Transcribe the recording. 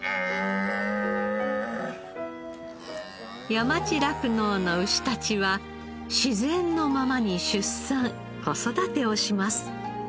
山地酪農の牛たちは自然のままに出産子育てをします。